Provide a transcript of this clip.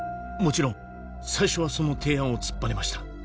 もちろん最初はその提案を突っぱねました